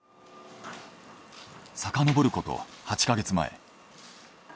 さかのぼること８か月前。